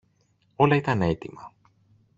Όλα ήταν έτοιμα.